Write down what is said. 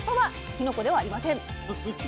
きのこではありません。